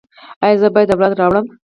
ایا زه باید اولاد راوړم؟